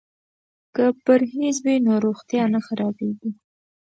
که پرهیز وي نو روغتیا نه خرابیږي.